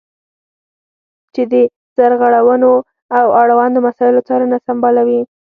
چې د سرغړونو او اړوندو مسایلو څارنه سمبالوي.